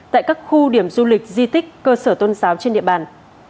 tại các khu điểm du lịch di tích cơ sở tôn giáo trên địa bàn